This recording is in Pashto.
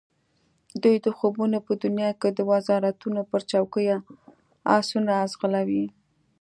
دوی د خوبونو په دنیا کې د وزارتونو پر چوکیو آسونه ځغلولي.